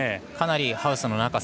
かなりハウスの中